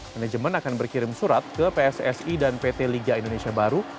manajemen akan berkirim surat ke pssi dan pt liga indonesia baru